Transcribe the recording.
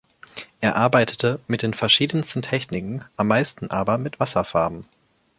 Er arbeitete mit den verschiedensten Techniken, am meisten aber mit Wasserfarben.